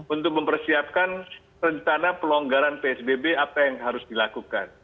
untuk mempersiapkan rencana pelonggaran psbb apa yang harus dilakukan